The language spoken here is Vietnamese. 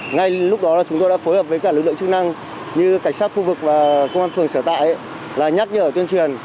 ngay lúc đó chúng tôi đã phối hợp với cả lực lượng chức năng như cảnh sát khu vực và công an phường sở tại là nhắc nhở tuyên truyền